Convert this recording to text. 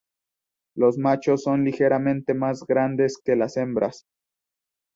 Los machos son ligeramente más grandes que las hembras.